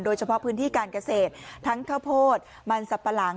โดยเฉพาะพื้นที่การเกษตรทั้งข้าวโพดมันสับปะหลัง